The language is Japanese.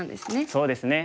そうですね。